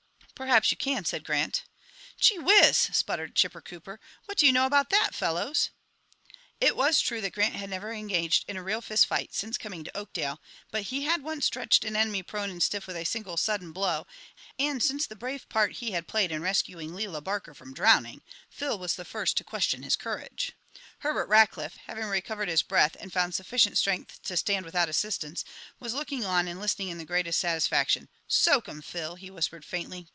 "Perhaps you can," said Grant. "Gee whiz!" spluttered Chipper Cooper. "What do you know about that, fellows?" It was true that Grant had never engaged in a real fist fight since coming to Oakdale, but he had once stretched an enemy prone and stiff with a single sudden blow, and since the brave part he had played in rescuing Lela Barker from drowning Phil was the first to question his courage. Herbert Rackliff, having recovered his breath and found sufficient strength to stand without assistance, was looking on and listening in the greatest satisfaction. "Soak him, Phil!" he whispered faintly.